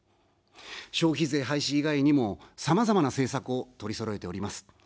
消費税廃止以外にも、さまざまな政策を取りそろえております。